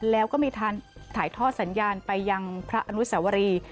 แล้วก็มีการถ่ายทอดสัญญาณไปยังพระอนุสวรี